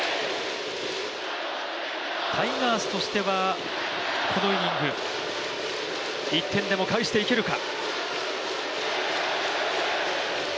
タイガースとしては、このイニング１点でも返していけるか。